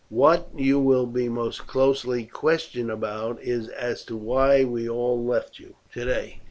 What you will be most closely questioned about is as to why we all left you today.